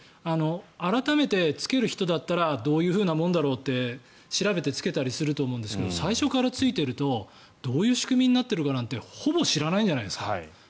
改めてつける人だったらどういうふうなもんだろうって調べて、つけたりすると思うんですが最初からついているとどういう仕組みになっているかなんてほぼ知らないんじゃないですか。